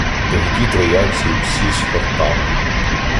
Тогді троянці всі з хортами